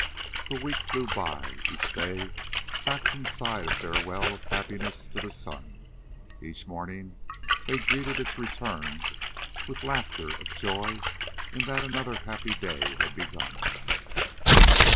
The week flew by; each day Saxon sighed a farewell of happiness to the sun; each morning they greeted its return with laughter of joy in that another happy day had begun.